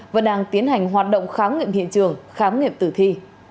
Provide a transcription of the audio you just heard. vẫn đang tiến hành hoạt động kháng nghiệm hiện trường kháng nghiệm tử thi